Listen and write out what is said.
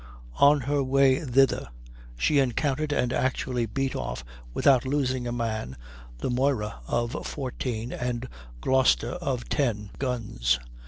"On her way thither she encountered and actually beat off, without losing a man, the Moira, of 14, and Gloucester, of 10 guns."